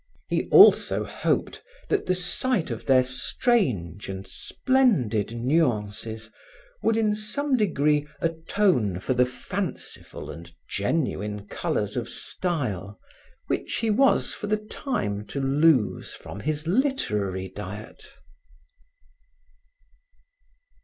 He also hoped that the sight of their strange and splendid nuances would in some degree atone for the fanciful and genuine colors of style which he was for the time to lose from his literary diet.